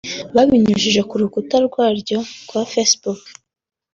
babinyujije ku rukuta rwaryo rwa Facebook